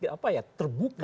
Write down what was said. apa ya terbuka